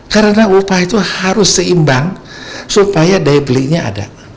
karena upah itu harus seimbang supaya daya belinya ada